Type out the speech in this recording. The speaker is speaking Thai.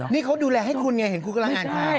นี่เขาดูแลให้คุณไงเห็นคุณกำลังอ่านข่าว